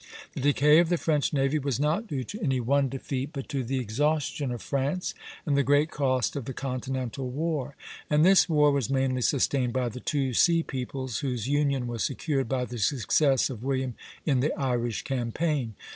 The decay of the French navy was not due to any one defeat, but to the exhaustion of France and the great cost of the continental war; and this war was mainly sustained by the two sea peoples whose union was secured by the success of William in the Irish campaign.